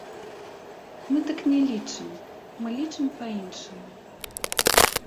Мы так не лічым, мы лічым па-іншаму.